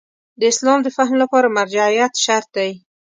د اسلام د فهم لپاره مرجعیت شرط دی.